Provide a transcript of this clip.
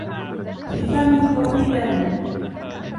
في فمي وفي دمي